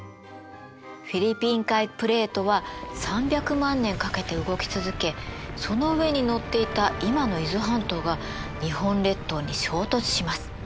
フィリピン海プレートは３００万年かけて動き続けその上にのっていた今の伊豆半島が日本列島に衝突します。